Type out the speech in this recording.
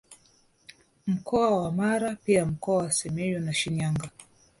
Mkoa wa Mara pia Mkoa wa Simiyu na Shinyanga